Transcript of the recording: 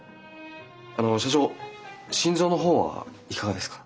あの社長心臓の方はいかがですか？